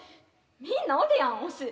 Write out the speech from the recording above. みんなおるやん推し。